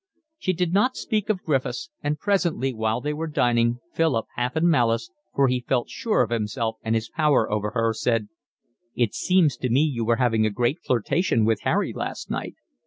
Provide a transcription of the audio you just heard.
She did not speak of Griffiths, and presently while they were dining Philip half in malice, for he felt sure of himself and his power over her, said: "It seems to me you were having a great flirtation with Harry last night?"